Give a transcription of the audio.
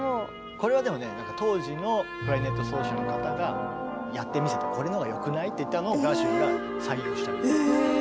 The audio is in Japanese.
これはでもね当時のクラリネット奏者の方がやってみせてこれのほうがよくない？って言ったのをガーシュウィンが採用したみたい。